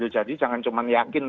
jadi jangan cuma yakin